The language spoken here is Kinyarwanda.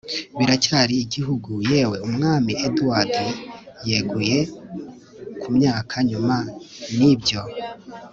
biracyari igihugu! yewe, umwami edward yeguye ku myaka nyuma, nibyo